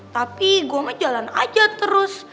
tapi gue mah jalan aja terus